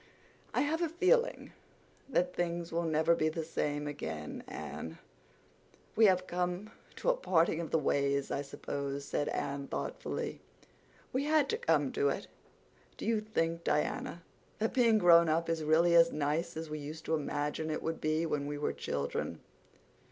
"I have a feeling that things will never be the same again, Anne." "We have come to a parting of the ways, I suppose," said Anne thoughtfully. "We had to come to it. Do you think, Diana, that being grown up is really as nice as we used to imagine it would be when we were children?"